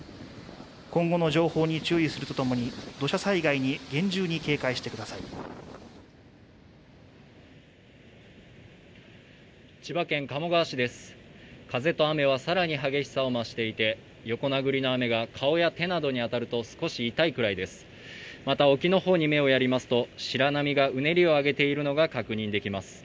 今後の情報に注意するとともに土砂災害に厳重に警戒してください千葉県鴨川市です風と雨はさらに激しさを増していて横殴りの雨が顔や手などに当たると少し痛いくらいですまた沖のほうに目をやりますと白波がうねりを上げているのが確認できます